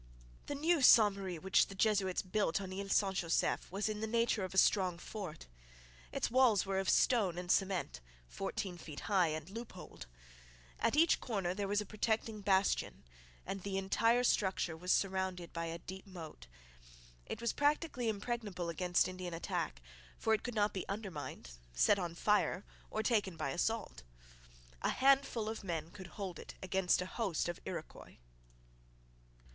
The new Ste Marie which the Jesuits built on Isle St Joseph was in the nature of a strong fort. Its walls were of stone and cement, fourteen feet high and loopholed. At each corner there was a protecting bastion, and the entire structure was surrounded by a deep moat. It was practically impregnable against Indian attack, for it could not be undermined, set on fire, or taken by assault. A handful of men could hold it against a host of Iroquois.